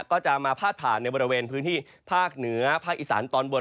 ก็จะมาพาดผ่านในบริเวณพื้นที่ภาคเหนือภาคอีสานตอนบน